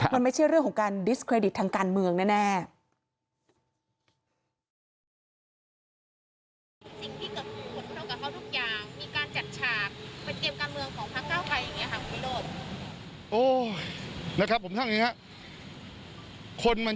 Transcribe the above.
มันไม่ใช่เรื่องของการดิสเครดิตทางการเมืองแน่